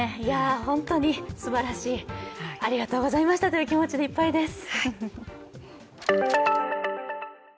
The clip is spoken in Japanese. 本当にすばらしい、ありがとうございましたという気持ちでいっぱいです。